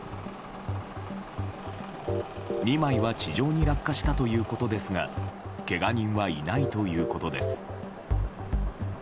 ２枚は地上に落下したということですがけが人はいないということです。